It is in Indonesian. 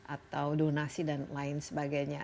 atau donasi dan lain sebagainya